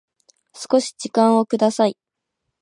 少し時間をください